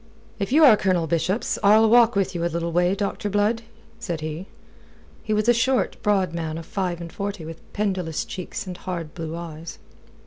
"If you are for Colonel Bishop's, I'll walk with you a little way, Doctor Blood," said he. He was a short, broad man of five and forty with pendulous cheeks and hard blue eyes.